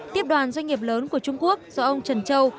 tiếp đoàn doanh nghiệp lớn của trung quốc do ông trần châu